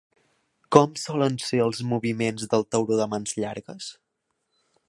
Com solen ser els moviments del tauró de mans llargues?